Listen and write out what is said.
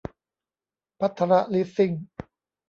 ภัทรลิสซิ่ง